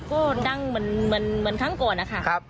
ก็ดังเหมือนเหมือนเหมือนครั้งก่อนอ่ะค่ะครับ